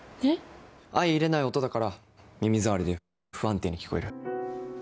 相容れない音だから耳障りで不安定に聞こえる。